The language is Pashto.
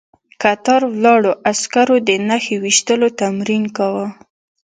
کتار ولاړو عسکرو د نښې ويشتلو تمرين کاوه.